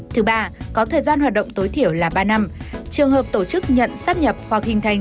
thứ ba có thời gian hoạt động tối thiểu là ba năm trường hợp tổ chức nhận sắp nhập hoặc hình thành